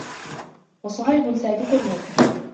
وَصُهَيْبٌ سَابِقُ الرُّومَ